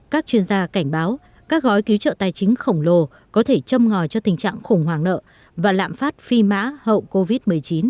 các chuyên gia cảnh báo các gói cứu trợ tài chính khổng lồ có thể châm ngòi cho tình trạng khủng hoảng nợ và lạm phát phi mã hậu covid một mươi chín